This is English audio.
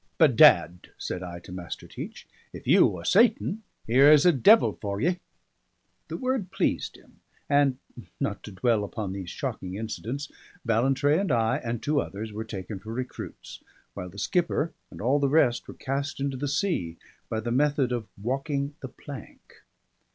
"Bedad," said I to Master Teach, "if you are Satan, here is a devil for ye." The word pleased him; and (not to dwell upon these shocking incidents) Ballantrae and I and two others were taken for recruits, while the skipper and all the rest were cast into the sea by the method of walking the plank.